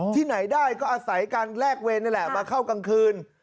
ที่ไหนได้ก็อาศัยการแลกเว้น